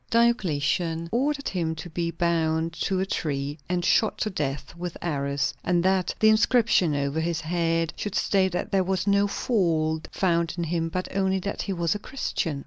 Diocletian ordered him to be bound to a tree and shot to death with arrows, and that the inscription over his head should state that there was no fault found in him but only that he was a Christian.